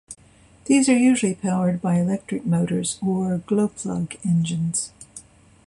These are usually powered by electric motors or glow plug engines.